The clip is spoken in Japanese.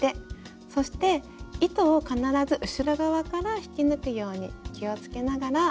そして糸を必ず後ろ側から引き抜くように気をつけながら編んでいって下さい。